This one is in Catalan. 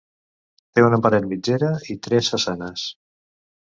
Té una paret mitgera i tres façanes.